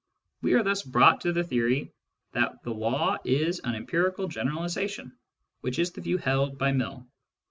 We are thus brought to the theory that the law is an empirical generalisation, which is the view held by Mill.